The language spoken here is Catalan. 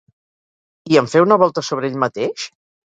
I en fer una volta sobre ell mateix?